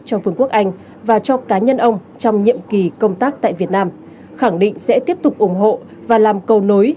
trong phương quốc anh và cho cá nhân ông trong nhiệm kỳ công tác tại việt nam khẳng định sẽ tiếp tục ủng hộ và làm cầu nối